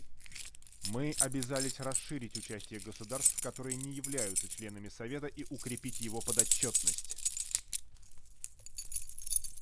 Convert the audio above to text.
Мы обязались расширить участие государств, которые не являются членами Совета, и укрепить его подотчетность.